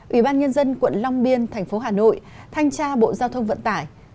ủy ban nhân dân quận long biên tp hà nội thanh tra bộ giao thông vận tải